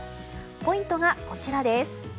ポイントがこちらです。